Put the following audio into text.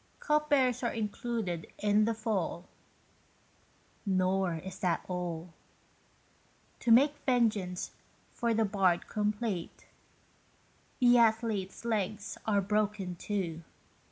Cupbearers are included in the fall; Nor is that all: To make the vengeance for the bard complete, The athlete's legs are broken too.